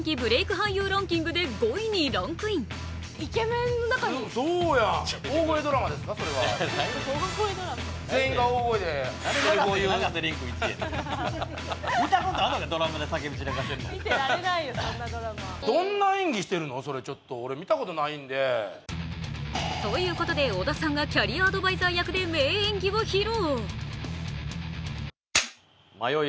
俳優ランキングで５位にランクイン。ということで小田さんがキャリアアドバイザー役で名演技を披露。